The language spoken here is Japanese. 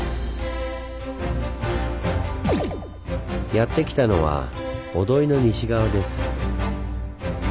やって来たのは御土居の西側です。